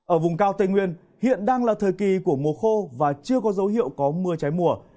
ở vùng cao tây nguyên hiện đang là thời kỳ của mùa khô và chưa có dấu hiệu có mưa trái mùa